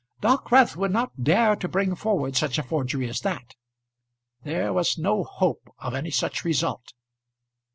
Dockwrath would not dare to bring forward such a forgery as that. There was no hope of any such result.